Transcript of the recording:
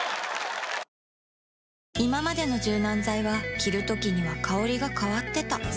いままでの柔軟剤は着るときには香りが変わってた